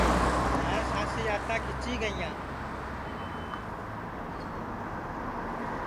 ہانٚس ہانٚسی آنٚتاں کھِچی گئِییاں